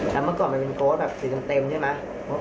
แล้วเมื่อก่อนมันเป็นโพสต์แบบสีเต็มใช่ไหม